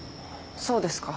そうですか。